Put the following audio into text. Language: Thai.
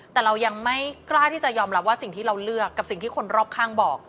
แต่เรายังไม่กล้าที่จะยอมรับว่าสิ่งที่เราเลือกกับสิ่งที่คนรอบข้างบอก